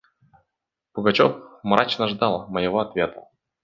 Пугачев мрачно ждал моего ответа.